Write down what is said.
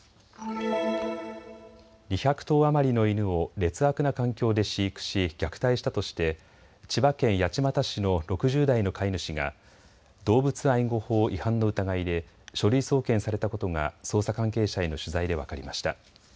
２００頭余りの犬を劣悪な環境で飼育し虐待したとして千葉県八街市の６０代の飼い主が動物愛護法違反の疑いで書類送検されたことが捜査関係者への取材で分かりました。